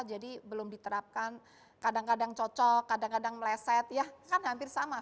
jadi belum diterapkan kadang kadang cocok kadang kadang meleset ya kan hampir sama lima puluh lima puluh